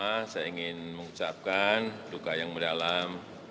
yang pertama saya ingin mengucapkan duka yang mendalam